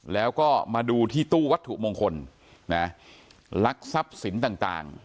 แล้วก็มาดูที่ตู้วัตถุมงคลนะลักษณะสรรพสินต่างต่าง